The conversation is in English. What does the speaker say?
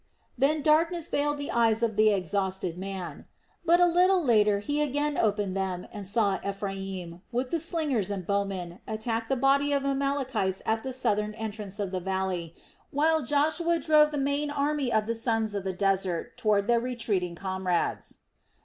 Then darkness veiled the eyes of the exhausted man. But a little later he again opened them and saw Ephraim, with the slingers and bowmen, attack the body of Amalekites at the southern entrance of the valley, while Joshua drove the main army of the sons of the desert toward their retreating comrades.